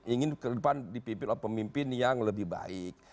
ingin kehidupan di pimpinan pemimpin yang lebih baik